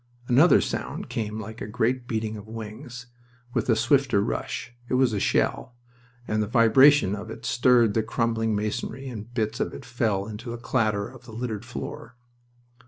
Another sound came like a great beating of wings, with a swifter rush. It was a shell, and the vibration of it stirred the crumbling masonry, and bits of it fell with a clatter to the littered floor.